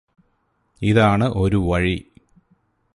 ഇതാണ് ഒരു വഴി